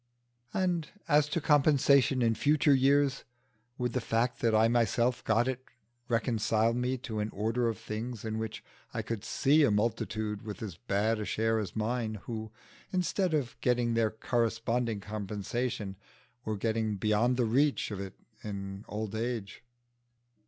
And as to compensation in future years, would the fact that I myself got it reconcile me to an order of things in which I could see a multitude with as bad a share as mine, who, instead of getting their corresponding compensation, were getting beyond the reach of it in old age?